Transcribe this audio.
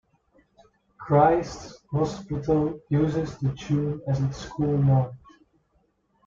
Christ's Hospital uses the tune as its school march.